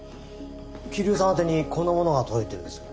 桐生さん宛てにこんなものが届いてるんです。